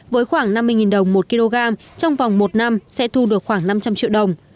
với khoảng năm mươi đồng một kg trong vòng một năm sẽ thu được khoảng năm trăm linh triệu đồng